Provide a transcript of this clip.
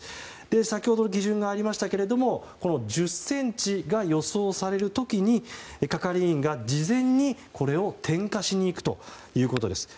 先ほども基準がありましたが１０ｃｍが予想される時に係員が事前にこれを点火しにいくということです。